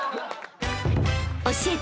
［教えて！